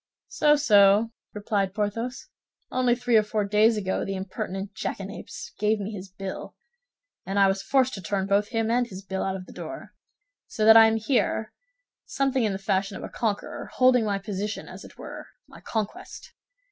"So, so," replied Porthos. "Only three or four days ago the impertinent jackanapes gave me his bill, and I was forced to turn both him and his bill out of the door; so that I am here something in the fashion of a conqueror, holding my position, as it were, my conquest.